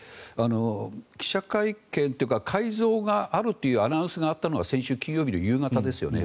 記者会見というか改造があるというアナウンスがあったのが先週金曜日の夕方ですよね。